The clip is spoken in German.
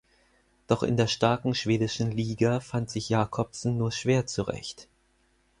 Doch in der starken schwedischen Liga fand sich Jakobsen nur schwer zu recht.